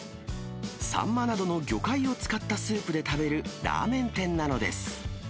サンマなどの魚介を使ったスープで食べるラーメン店なのです。